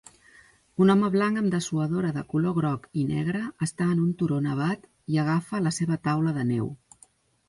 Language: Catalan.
Un home blanc amb dessuadora de color groc i negre està en un turó nevat i agafa la seva taula de neu.